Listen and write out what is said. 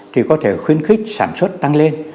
thì có thể khuyến khích sản xuất tăng lên